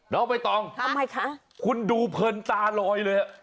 น้องไอ้ตองคุณดูเผินตาลอยเลย